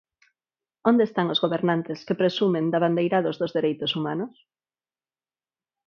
¿Onde están os gobernantes que presumen de abandeirados dos dereitos humanos?